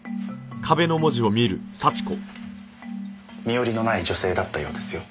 身寄りのない女性だったようですよ。